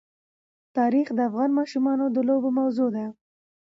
تاریخ د افغان ماشومانو د لوبو موضوع ده.